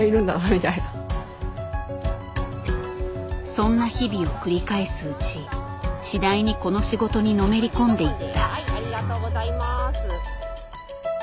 そんな日々を繰り返すうち次第にこの仕事にのめり込んでいった。